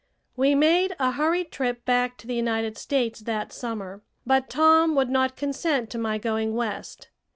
We made a hurried trip back to the United States that summer, but Tom would not consent to my going West.